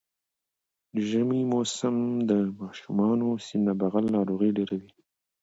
ژمی موسم کی د ماشومانو سینه بغل ناروغی ډیره وی